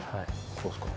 こうですか？